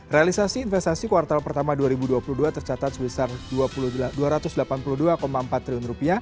realisasi investasi kuartal pertama dua ribu dua puluh dua tercatat sebesar rp dua ratus delapan puluh dua empat triliun